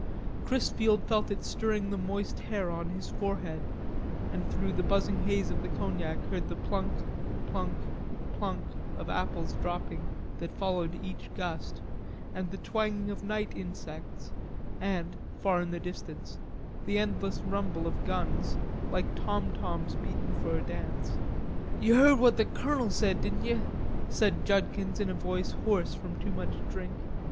Chrisfield felt it stirring the moist hair on his forehead and through the buzzing haze of the cognac heard the plunk, plunk, plunk of apples dropping that followed each gust, and the twanging of night insects, and, far in the distance, the endless rumble of guns, like tomtoms beaten for a dance. "Ye heard what the Colonel said, didn't ye?" said Judkins in a voice hoarse from too much drink.